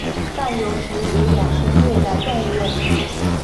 但有时也衍生虐待动物问题。